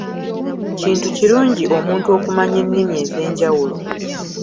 Kintu kirungi omuntu okumanya ennimi ez'enjawulo.